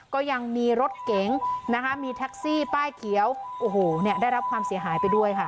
ก็ยังมีรถเก๋งนะคะมีแท็กซี่ป้ายเขียวโอ้โหเนี่ยได้รับความเสียหายไปด้วยค่ะ